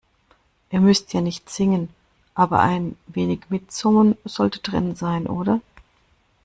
Ihr müsst ja nicht singen, aber ein wenig Mitsummen sollte drin sein, oder?